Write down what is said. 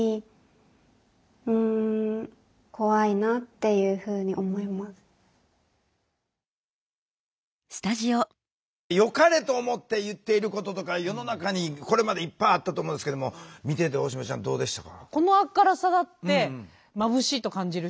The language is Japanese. そういうふうによかれと思って言っていることとか世の中にこれまでいっぱいあったと思うんですけども見てて大島ちゃんどうでしたか？